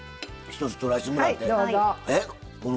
一つ、とらせてもらって。